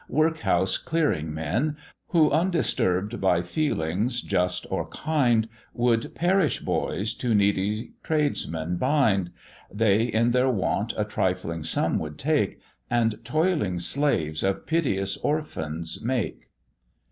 workhouse clearing men, Who, undisturb'd by feelings just or kind, Would parish boys to needy tradesmen bind: They in their want a trifling sum would take, And toiling slaves of piteous orphans make.